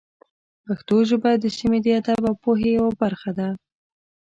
پښتو ژبه د سیمې د ادب او پوهې یوه برخه ده.